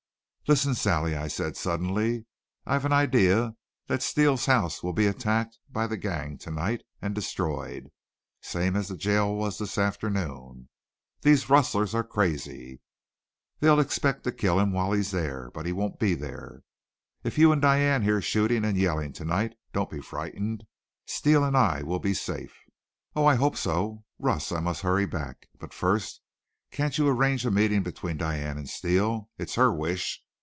"Listen, Sally," I said, suddenly. "I've an idea that Steele's house will be attacked by the gang to night, and destroyed, same as the jail was this afternoon. These rustlers are crazy. They'll expect to kill him while he's there. But he won't be there. If you and Diane hear shooting and yelling to night don't be frightened. Steele and I will be safe." "Oh, I hope so. Russ, I must hurry back. But, first, can't you arrange a meeting between Diane and Steele? It's her wish.